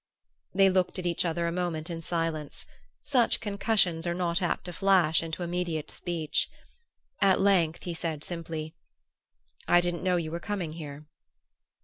They looked at each other a moment in silence; such concussions are not apt to flash into immediate speech. At length he said simply, "I didn't know you were coming here."